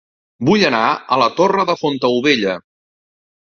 Vull anar a La Torre de Fontaubella